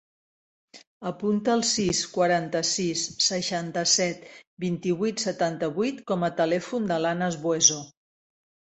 Apunta el sis, quaranta-sis, seixanta-set, vint-i-vuit, setanta-vuit com a telèfon de l'Anas Bueso.